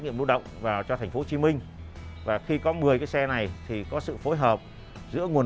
nghiệm lưu động vào cho thành phố hồ chí minh và khi có một mươi cái xe này thì có sự phối hợp giữa nguồn